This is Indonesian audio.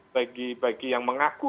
bagi bagi yang mengaku